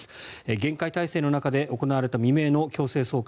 厳戒態勢の中で行われた未明の強制送還。